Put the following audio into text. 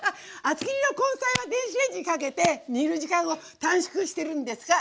厚切りの根菜は電子レンジにかけて煮る時間を短縮してるんですか？